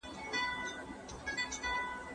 رعیت درنه خوشال وي